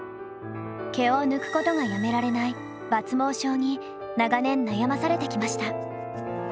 毛を抜くことがやめられない抜毛症に長年悩まされてきました。